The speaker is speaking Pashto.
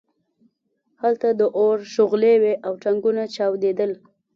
هلته د اور شغلې وې او ټانکونه چاودېدل